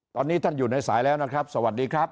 ตอนนี้ท่านอยู่ในสายแล้วนะครับสวัสดีครับ